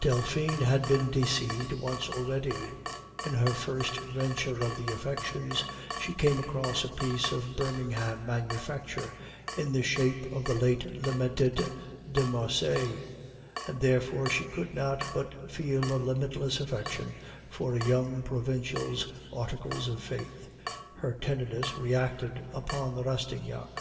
"Delphine had been deceived once already; in her first venture of the affections she came across a piece of Birmingham manufacture, in the shape of the late lamented de Marsay; and therefore she could not but feel a limitless affection for a young provincial's articles of faith. Her tenderness reacted upon Rastignac.